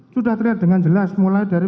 sudah terlihat dengan jelas mulai dari